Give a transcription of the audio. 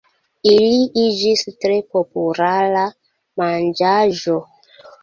Ili iĝis tre populara manĝaĵo.